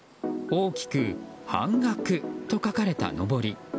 大きく「半額」と書かれたのぼり。